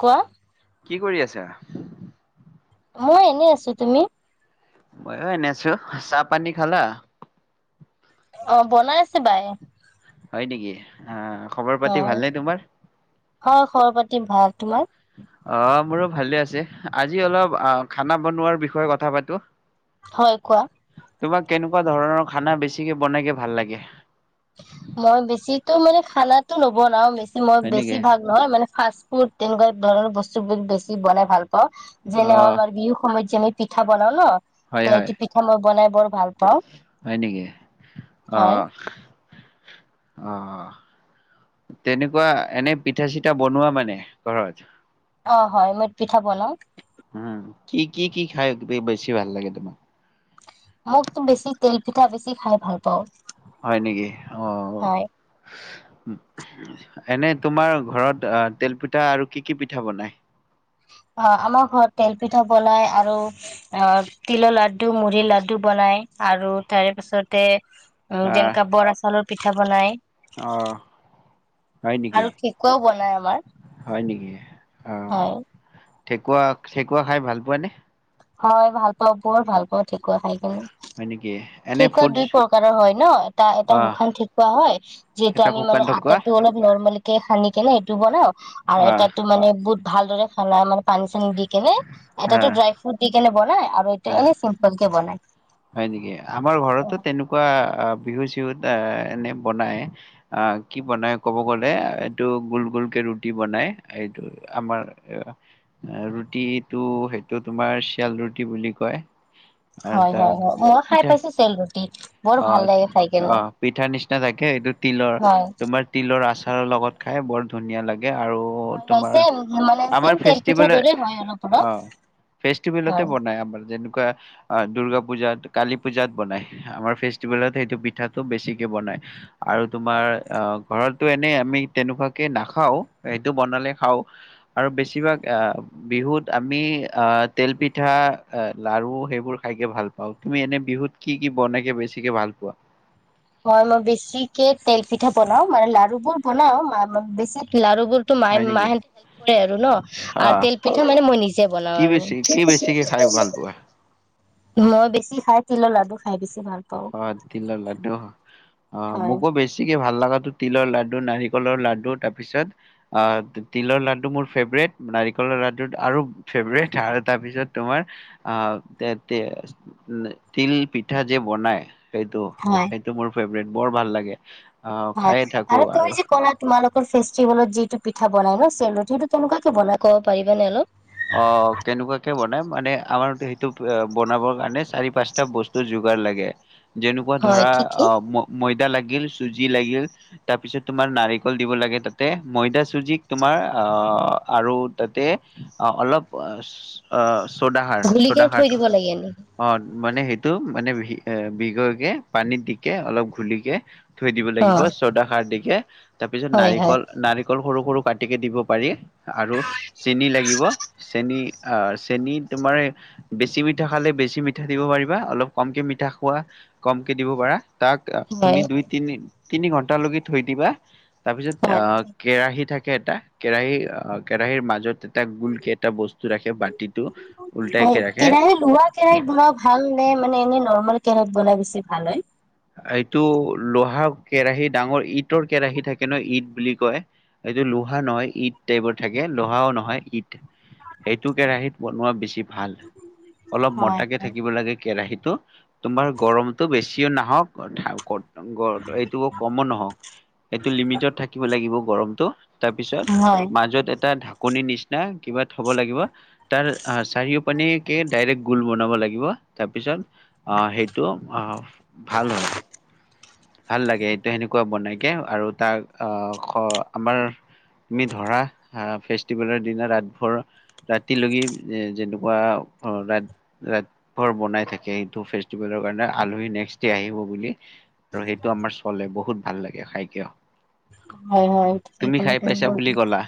কোৱা কি কৰি আছা। মই এনেই আছো। তুমি? মইও এনে আছো। চাহ পানী খালা? অ বনাই আছে বাই। হয়নেকি অ। খবৰ অ পাতি ভালনে তোমাৰ? হয় খবৰ পাতি ভাল। তোমাৰ? অ মোৰো ভালে আছে আজি অলপ আহ খানা বনোৱাৰ বিষয়ে কথা পাতো। হয় কোৱা তোমাক কেনেকুৱা ধৰণৰ খানা বেছিকে বনাইকে ভাল লাগে। মই বেছিকৈ মানে খানাতো নবনাওঁ বেছি মই হয় বেছি নেকি? ভাগ নহয় মানে ফাৰ্ষ্ট মোৰ তেনেকুৱা ধৰণৰ বস্তু বিলাক বেছি বনাই ভাল যেনে অ' আমাৰ বিহু সময়ত আমি পিঠা বনাওঁ হয় ন হয়। পিঠা মই বনাই বৰ ভাল পাওঁ হয় নেকি হয় আঁহ অঁ তেনেকুৱা এনে পিঠা চিঠা বনোৱা মানে ঘৰত অঁ হয় মই পিঠা বনাওঁ উম কি কি কি খায় ত বেছি ভাল লাগে তোমাৰ মোৰ তো বেছি তেল পিঠা বেছি খাই ভাল পাওঁ হয় নেকি আঁহ হয় এনে তোমাৰ ঘৰত আঁহ তেল পিঠা আৰু কি কি পিঠা বনাই অঁ আমাৰ ঘৰত তেল পিঠা বনাই আৰু আঁহ তিলৰ লাডু মুড়িৰ লাডু বনাই আৰু তাৰে পিছতে উম আহ যেনেকৈ বৰা চালৰ পিঠা বনাই অ' হয় নেকি আৰু কেক ওঁ বনাই আমাৰ সেয়া হয় ঠেকুৱা ঠেকুৱা খাই ভাল পোৱা নে? হয় ভাল পাওঁ বৰ ভাল পাওঁ ঠিকুৱা খাই কিনে হয় নেকি এনে ঠেকুৱা ফুডছ দুই প্ৰকাৰৰ হয় ন এটা এটা অ শুকান ঠেকুৱা হয় যিটো এটা আমি শুকান মানে ঠকুৱা আনটো অলপ ন ক খানি কেনে এইটো বনাওঁ আৰু অ এটাতো মানে বুত ভালদৰে খানাই মানে পানী চানী দি কেনে অ এটাতটো ড্ৰাই ফ্ৰুট দি কেনে বনাই আৰু এইটো অ এনেই চিম্পল কে বনাই হয় নেকি আমাৰ ঘৰতো তেনেকুৱা বিহু চিহুত এনেই বনায় কি বনায় ক'ব গ'লে এইটো গোল গোলকৈ ৰুটি বনায় এইটো আমাৰ ৰুটিটো সেইটো তোমাৰ শিয়াল ৰুটি বুলি কয় আৰু হয় হয় তাক মই খাই পিঠা পাইছো চেল ৰুটি বৰ অ ভাল লাগে খাই কেনে অ পিঠাৰ নিচিনা থাকে এইটো তিলৰ হয় তোমাৰ তিলৰ আচ আ ৰৰ লগত খাই বৰ ধুনীয়া লাগে। আৰু হয় হয় তোমাৰ চেম মানে চেম আমাৰ তেল পিঠা ফেষ্টিভেল দৰে হয় অলপ অলপ অ হয় ফেষ্টিভেলতে বনাই আমাৰ যেনেকুৱা অ দুৰ্গা পূজাত কালী পূজাত বনাই আমাৰ ফেষ্টিভেলত সেইটো পিঠাটো বেছিকে বনায়। আৰু তোমাৰ অ ঘৰত টো এনেই আমি তেনেকুৱাকে নাখাও সেইটো বনালে খাও আৰু বেছিভাগ আহ বিহুত আমি আহ তেল পিঠা লাৰু সেইবোৰ খাইকে ভাল পাওঁ তুমি এনে বিহুত কি কি বনগে বেছি কি কি ভাল পোৱা? হয় মই বেছিকে তেল পিঠা বনাও মানে লাৰু বোৰ বনাও বেছি লাৰু ম হয় নেকি? মাহেতে কৰে আৰু ন আৰু অ', তেল পিঠা মানে মই নিজে বনাওঁ কি আৰু বেছি কি বেছিকে খাই ভাল পোৱা? মই বেছি খাই তিলৰ লাডু খাই বেছি ভাল। পাওঁ অ তিলৰ লা্ডু অ হয় মোকো বেছিকে ভাল লাগা তিলৰ লাডু নাৰিকলৰ লাডু তাৰ পিছত আহ তিলৰ লাডু মোৰ ফেভৰেট নাৰিকলৰ লাডু আৰু ফেভৰেট আৰু তাৰ পিছত তোমাৰ আহ তিল পিঠা যে বনাই হয়। সেইটো হয় সেইটো মোৰ ফেভত বৰ ভাল লাগে। অ', হয় খায়ে থাকো আৰু তুমি যে কলা তোমালোক ফেষ্টিভেলত যিটো পিঠা বনাই ন চেলৰটিটো কেনেকুৱাকে বনাই কব পাৰিবা নে অলপ অ কেনেকুৱাকে বনাই মানে আমাৰ সেইটো বনাবৰ কাৰণে চাৰি পাঁচটা বস্তু যোগাৰ লাগে যেনেকুৱা হয় ধৰা কি কি অ মই য়া লাগিল চুজি লাগিল তাৰ পিছত তোমাৰ নাৰিকল দিব লাগে তাতে ময়দা চুজিক তোমাৰ আহ আৰু তাতে অ অলপ অ চৌডাহাৰ ঘুলি কেনে থৈ চৌডাহাৰটো দিব লাগে এনে অ মানে সেইটো মানে বি এ বিষৰকে পানীত দিকে অলপ ঘুলিকে থৈ দিব অ', লাগিব চৌদা সাৰ দি কে তাৰপিছত হয়, হয়, নাৰিকল নাৰিকল সৰু সৰু কাটিকে দিব পাৰি। আৰু চেনি লাগিব চেনী চেনী তোমাৰ বেছি মিঠা খালে বেছি মিঠা দিব পাৰিবা অলপ কমকৈ মিঠা খোৱা কমকৈ দিব পাৰা। তাক তুমি হয়। দুই তিনি তিনি ঘন্টা লৈকে থৈ দিবা। তাৰপিছত অ হয়। ঠিক। কেৰাহী থাকে এটা কেৰাহী অ কেৰাহীৰ মাজত এটা গোলকে এটা বস্তু ৰাখে বাতিটো হয় উল্টাইকে ৰাখে কেৰাহী লোৱা কেৰাহিতত বনও ভাল নে মানে এনে নৰ্মেল তহঁত গ'লে বেছি ভাল হয় এইটো লোহা কেৰাহী ডাঙৰ ঈটৰ কেৰাহী থাকে ন ঈদ বুলি কয় এইটো লোহা নহয় ঈদ টাইপৰ থাকে লোহাও নহয় ঈদ সেইটো কেৰাহিত বনোৱা বেছি ভাল অলপ হয়, মতাকে হয়। থাকিব লাগে কেৰাহীত তোমাৰ গৰমটো বেছিও নাহক কঠাও ক'ত [unintelligible] এইটো কমো নহওক এইটো লিমিটত থাকিব লাগিব গৰমটো তাৰপিছত হয়, মাজত এটা ঢাক কণীৰ নিচিনা কিবা থ'ব লাগিব তাৰ চাৰিও পানীকে ডাইৰেক্ট গোল বনাব লাগিব তাৰ পিছত আহ সেইটো অঁ। ভাল হয়। ভাল লাগে সটো সেনেকুৱা বনাইে আৰু তাক আমাৰ তুমি ধৰা ফেষ্টিভেলৰ দিনা ৰা ৰাতিলৈি যেনেকুৱা ৰাৰ বনাই থাকে সটো ফেিভেলৰ কাৰ আল নেক্ আহ বুলি। আৰু সেইটো আমাৰ চলে বহুত ভাল লাগে খাইকিয়। হয় হয় পাইছা বুলি ক'লা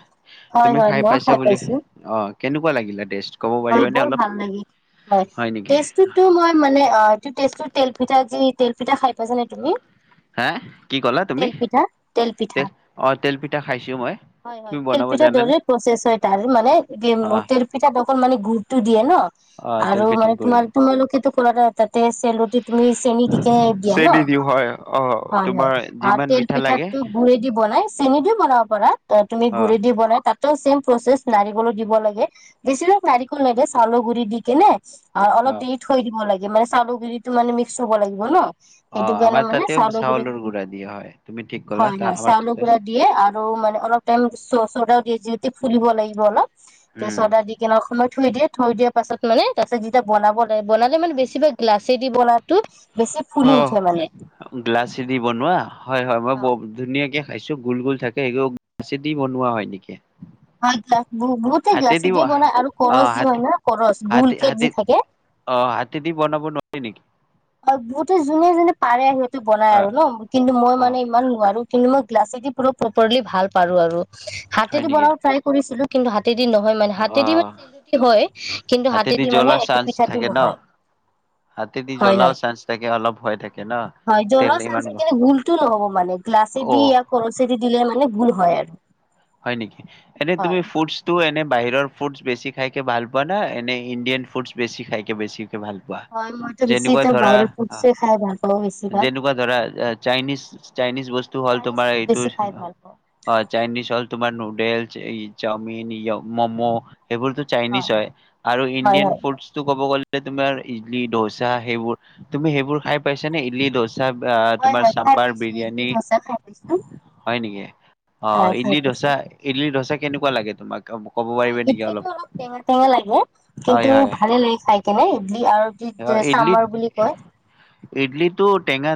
হয় তুমি হয় মইও পাইছা খাই বুলি পাইছোঁ অ কেনেকুৱা লাগিলে টেষ্ট ক'ব হয় পাৰিবানে অলপ হয় হয় নেকি তেজ টো কি মানে তেজ টো তিল পিঠা যি তিল পিঠা খাই পাইছানে তুমি? হে কি ক'লা তুমি? তেলপিঠা তেল অ তেলপিঠা খাইছো মই হয় হয় তুমি বনাব তেলপিঠা জানানে দৰি প্ৰচেছ হয় তাৰ মানে অ তেলপিঠা অকণ মানে গুৰুত্ব দিয়ে ন? অ আৰু তেলপিঠাৰ মানে তোমাৰ গুৰি তোমালোকেতো খোল তাতে চেলটি তুমি চেনি দিকে দিয়া ন চেনি দিওঁ হয় অ', হয় হয় তোমাৰ আৰু যিমান তেল মিঠা পিঠা লাগে ত গুৰি দি বনাই চেনি দি বনাব পৰা তুমি অ', গুৰি দি বনাই তাত একম চেম প্ৰচেছ নাৰিকলো দিব লাগে বেছিভাগ নাৰিকল নাইদিয়ে চাউৰ গুৰি দি কেনে আৰু অলপ অ'। দে থৈ দিব লাগে। মানে চাউলৰ গুড়িতো মানে মিক্স হ'ব লাগিব ন? অ, সেইটো কাৰণে আমাৰ মানে তাতেও গুৰি চাউলৰ গুড়া দিয়া হয়, তুমি ঠিক ক'লা হয়, তা হয় আমাৰ চাউলল তাতে গুড়া দিয়ে। আৰু মানে অলপ টাইম চ, চডাও দিয় যিহেতু ফুলিব লাগিব অলপ। তাৰ উম। চদা দি কিনে অকমান থৈ দিয়ে। থৈ দিয়া পাছত মানে তাৰ পাছত যেতিয়া বনাব লাগে। বনালে মানে বেছিভাগ গ্লাচে দি বনাটো অ, গ্লাছে দি বনোৱা? হয়, হয় মই বহুত ধুনীয়াকে খাইছো গোল, গোল থাকে, সেইবিলাক গ্লাছে দি বনোৱা হয় নেকি? [unintelligible] বহুতে গ্লাছে হাতেদি দিয়ে ব- বনাই আৰু কৰচ অ', যি হয় হাতে ন কৰচ গোল হাতে কে হাতে যি থাকে। হয় নেকি? বহুতে যোনে-যোনে পাৰে সিহতেো বনাই আৰু অ', ন কিন্তু মই অ', মানে ইমান নোৱাৰো। কিন্তু মই গ্লাছ এটি পৰা প্ৰপাৰলি ভাল পাৰো আৰু। হয় হাতেদি নেকি? বনাও প্ৰায় কৰিছিলো। কিন্তু হা হাতেদি নহয় মানে হাতেদি অ', মানেদি হয় কিন্তু হাতেদি মানে জ্বলাৰ একটো চান্স পিঠাটো থাকে ন? নহয়। হাতেদি জ্বলাও চান্স থাকে অলপ ভয় থাকে ন? হয়-হয়-হয় তেল জলাৰ ইমান চান্স এতিয়া গোলটো নহ'ব মানে গ্লাছেদি অ', কছেৰে দি দিলে মানে। মানে ভুল হয় আৰু। হয় নেকি? এনে তুমি হয় ফুডচটো এনে বাহিৰৰ ফুডছ বেছি খাইকে ভাল পোৱা না? এনে ইণ্ডিয়ান ফুডছ বছি খাইকে বেছি। ভাল পোৱা হয় মইতো বেছি যেনেকুৱা তো ধৰা বাহিৰৰ ফুডছে খাই ভাল পাওঁ বেছিভাগ যেনেকুৱা ধৰা চাইনিজ-চাইনিজ বস্তু হ'ল চাইনিজ তোমাৰ ফুড এইটো বেছি খাই ভাল পাওঁ অ' চাইনিজ হল। নুডেলছ, চাওমিন, মমো, সেইবোৰতো চাইনিজ হয় আৰু হয় ইণ্ডিয়ান হয় ফুডটো ক'ব গ'লে, তোমাৰ ইডলি, দোচা সেইবোৰ তুমি সেইবোৰ খাই পাইছা নে ইডলি, দচা। হয় তোমাৰ হয় খাই চাম্বাৰ পাইছো ইডলি বিৰিয়ানী ধচা খাই পাইছো হয় নেকি অ হয় খাই ইলি দ পাইছো হয়, পাৰিবা নেকি ইডলিটো অলপ টেঙা-টেঙা লাগে কিন্তু ভালে লাগে খাই কেনে ইডলি আৰু যি ইডল চামৰ বুলি কয় ইডলটো টেঙা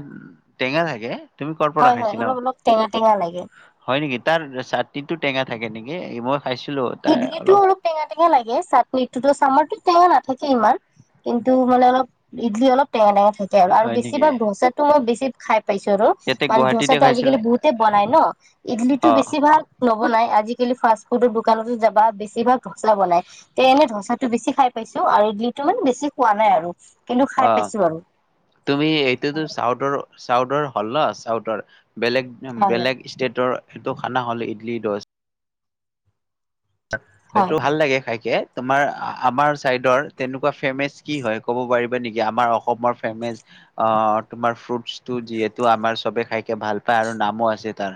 টেঙা থাকে। তুমি কৰ পৰা হয় হয়, খাইছিলা অলপ অলপ টেঙা টেঙা লাগে হয় নেকি তাৰ চাটনিটো টেঙা থাকে নেকি? এ মই, খাইছিলো তাৰ ইডলটো অলপ টেঙা-টেঙা লাগে চাটননি টোতো চামৰতো টেঙা না। থাকে ইমান কিন্তু মানে অলপ ইডলি অলপ টেঙা-টেঙা থাকে। থাকে আৰু হয় বেছি নেকি? ভাগ ধচাটো মই বেছি খাই পাইছো আৰু ইয়াতে মানে গুৱাহাটীতে ধচাটো খাইছিলা? আজিকালি বহুতে বনাই ন ইডলি টো অ বেছি ভাগ নবনাই। আজ ফাষ্ট ফুড বহু দোকানটো যাবা বেছিভাগ ধচা বনাই তে এনে ধচাটো বেছি খাই পাইছো আৰু ইডলিটো মানে বেছি খোৱা নাই আৰু। কিন্তু খাই অ' পাইছো আৰু তুমি এটোতো চাউৰ চাউদৰ হ'ল ন চাউদৰ হয় হয় বেলেগ-বেলেগ ষ্টেটৰ সেইটো খানা হ'লে ইডলি ডছা। হয়। এইটো ভাল লাগে খাইকে, তোমাৰ আমাৰ চাইডৰ তেনেকুৱা ফেমাচ কি হয় ক'ব পাৰিবা। নেকি আমাৰ অসমৰ ফেচ আহ তোমাৰ ফ্ৰুটটো যিহেতু আমাৰ চবে খাইকে ভাল পায় আৰু নামো আছে তাৰ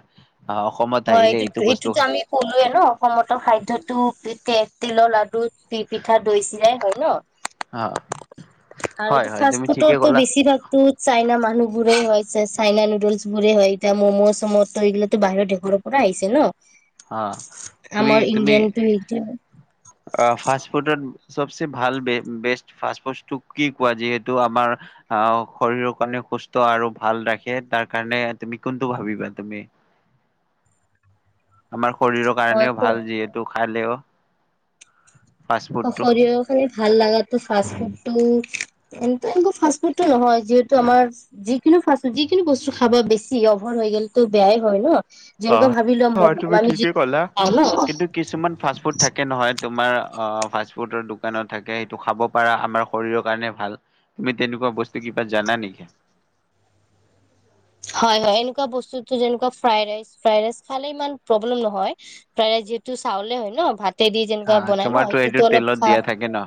আহ অসমত হয় আহিলে এইটো বস্তু এইটোতো আমি কলোয়ে ন অসমত খাধ্য় ুপ তে [unintelligible] তিলৰ লাডু দি পিঠা দৈ চিৰাাই হয় ন অ আৰু হয় এইটো হয় ফা তুমি ঠিকে ফুডৰো ক'লা বেছিভাগতো চাইনা মানুহবোৰেই হৈছে চাইনা নুডলছ বোৰে হয় এতি ম'ম' চ মমতো এইগিলো ত বিৰৰ ে ঘৰৰ পৰা আহিছে ন অ তুমি আমাৰ তুমি ইণ্ডিয়ানটো এইটো ফ ফুড চবচে ভাল বেষ্ট ফাষ্ট ফুডটো কি কোৱা যিহেতু আমাৰ আহ শৰীৰৰ কাৰণে সুস্থ আৰু ভাল ৰাখে তাৰ কাৰণে তুমি কোনটো ভাবিবা তুমি আমাৰ শৰীৰৰ কাৰণেও ভাল যিহেতু হেল্ল' অ শৰ খানি ভাল লাগা ত ফাষ্ট ফুড টো এ এনেকুৱা ফাষ্ট ফুডটো নহয় যিহেতু আমাৰ যিিকোনো ফাষ্টফুড যিিকিনো বস্তু খাবা বেছি অভাৰ হৈ গ'লে তো বেয়াই হয় ন অ যেনেকুৱা ভাবি হয় তুমি লোৱা আমি ঠিকে যদি ক'লা ম'ম' খাওঁ ন কিন্তু কিছুমান ফাষ্ট ফুড থাকে নহয় তোমাৰ আহ ফাষ্ট ফুডৰ দোকানত থাকে সেইটো খাব পাৰা আমাৰ শৰীৰৰ কাৰণে ভাল তুমি তেনেকুৱা বস্তু কিবা জানা নেকি হয় হয় এনেকুৱা বস্তুটো যেনেকুৱা ফ্ৰাই ৰাইচ ফ্ৰাই ৰাইচ খালে ইমান প্ৰব্লেম নহয় ফ্ৰাই ৰাইচ যিহেতু চাউলে হয় ন ভাত তেদি হা যেনেকুৱা বনাই ন তোমাৰতো সেইটোতো এইটো অলপ তেলত চাহ দিয়া থাকে ন?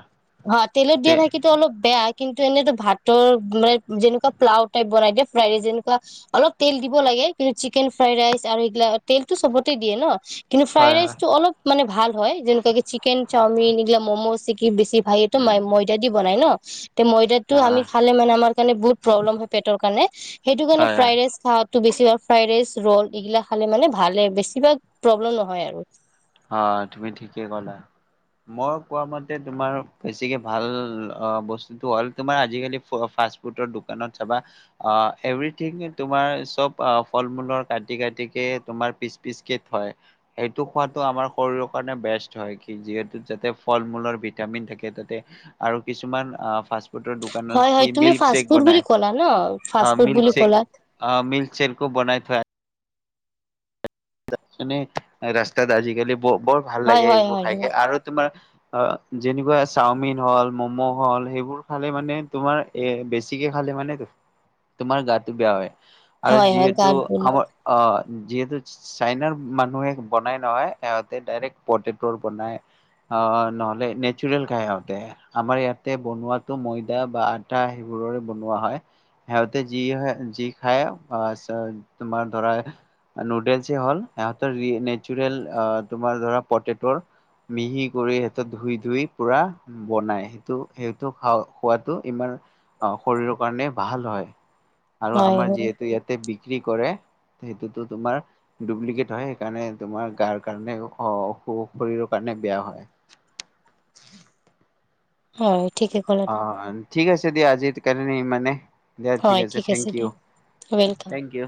তেলত তে দিয়া থাকিো অলপ বেয়া কিন্তু এনেতো ভাতৰ মানে যেনেকুৱা প্লাও টাইপ বনাই দিয়ে ফ্ৰাই যেনেকুৱা অলপ তেল দিব লাগে কিন্তু চিকেন ফ্ৰাইড ৰাইচ আৰু এইগিলা তেলতটো চবতে দিয়ে ন কিন্তু ফ্ৰাইড হয় হয়। ৰাইচটো অলপ মান ভাল হয় যেনেকুৱাে চিকেন চামিন এইিল ম'মো চিক কি বেছি ভাই এইটো ম উম, ময়দা দি বনাই ন উ তে ময়দাতটো আমি অ', খালে মানে আমাৰ কাৰণে বহুত প্ৰব্লেম হয় পেটৰ কাৰণে সেইটো কাৰণে হয় হয় ফ্ৰাইড ৰাইচ খাাত বেছিভাগ ফ্ৰাই ৰাইচ ৰল এইগিলা খালে মানে ভালে বছিভাগ প্ৰব্লেম নহয় আৰু অ তুমি ঠিকে ক'লা মই কোৱা মতে তোমাৰ বেছিকে ভাল বস্তুটো হ'ল তোমাৰ আজিকালি ফাষ্ট ফুডৰ দোকানত চাবা আহ এভৰিথিং তোমাৰ চব আহ ফল মূলৰ কাটি কাটিকে তোমাৰ পিচ পিচকে থয় সেইটো খোৱাত ম শৰ কাৰ বে হয় যিহু যাতে ফল মূলৰ ভিটামিন থাকে তাতে আৰু কিছুমান ফ হয় দোকানত হয় কি তুমি মিল্ক ফাষ্ট শেক ফুড বনাই বুলি ক'লা ন অ ফাষ্ট ফুড বুলি মিল্ক শেক ক'লা অ মিল্ক চেক কো বনাই থ ৰাস্তাত আজিকালি বৰ ভাল হয় লাগে হয় এইবোৰ হয় খাইকে আৰু তোমাৰ অ যেনেকুৱা চাওমিন হল ম'ম' হল সেইবোৰ খালে মানে তোমাৰ এ বেছিকে খালে মানে তোমাৰ গাটো বেয়া হয় আৰু হয় হয় যিহেতু গাত বুন্ধা। আমাৰ অ যিহেতু চাইনাৰ মানুহে বনাই নহয় সিহঁতে ডাইৰেক্ট পটেটৰ বনাই আহ নহলে নেচৰেেল খায় সিহঁতে আমাৰ ইয়াতে বনোৱাাতো ময়দা বা আটা সেইবোৰৰে বনোৱা হয় সিহঁতে যি যি খায় তোমাৰ ধৰা নুডেলছ হল সিহঁতৰ নেচেৰেল তোমাৰ ধৰা পটটৰ মিহি কৰি সিহত ধুই ধুই পুৰা বনাই সেইটো সেইটো খ খোৱটো ইমান শৰীৰৰ কাৰণে ভাল হয় আৰু হয় আমাৰ হয় যিহেতু ইয়াতে বিক্ৰী কৰে সেইটোতো তোমাৰ ডুপ্লিকেট হয় সেইকাৰণে তোমাৰ গাৰ কাৰণে শৰীৰৰ কাৰণে বেয়া হয় হয় ঠিকে ক'লে অ ঠিক আছে দিয়া আজি জ কৰে ন মানে হয় ঠিক আছে দিয়া থেংক ইউ।